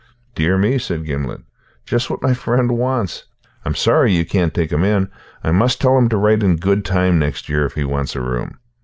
"Dear me," said Gimblet, "just what my friend wants. I'm sorry you can't take him in. I must tell him to write in good time next year if he wants a room."